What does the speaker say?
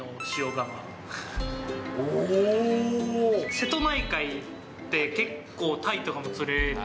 瀬戸内海で、結構、タイとかも釣れて。